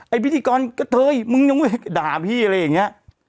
ไอ้พิธีกรเฮ้ยมึงยังไม่ด่าพี่อะไรอย่างเงี้ย